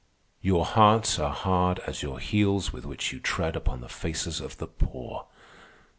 Your hearts are hard as your heels with which you tread upon the faces of the poor.